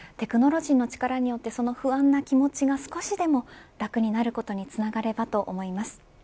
テクノロジーの力によってその不安な気持ちが少しでも楽になることにつながればと思います。